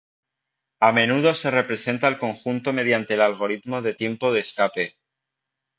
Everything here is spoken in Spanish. A menudo se representa el conjunto mediante el algoritmo de tiempo de escape.